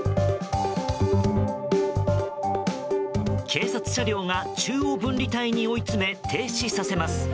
警察車両が中央分離帯に追い詰め停止させます。